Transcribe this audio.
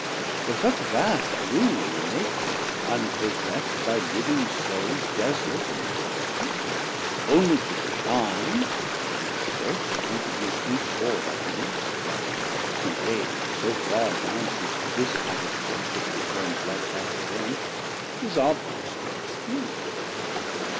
For such vast room in Nature unpossest By living Soule, desert and desolate, Onely to shine, yet scarce to contribute Each Orb a glimps of Light, conveyd so farr Down to this habitable, which returnes Light back to them, is obvious to dispute.